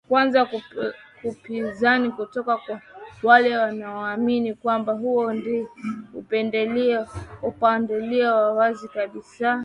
kwanza upinzani kutoka kwa wale wanaoamini kwamba huo ni upendeleo wa wazi kabisa